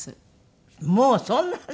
もうそんなに？